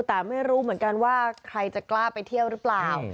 แต่ไม่รู้เหมือนกันว่าใครจะกล้าไปเที่ยวหรือเปล่า